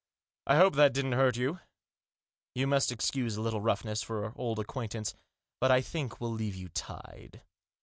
I hope that didn't hurt you ; you must excuse a little roughness, for old acquaintance, but I think we'll leave you tied."